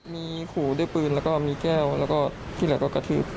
มีขู่ด้วยปืนแล้วก็มีแก้วแล้วก็ที่หลังก็กระทืบ